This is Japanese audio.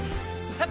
はい！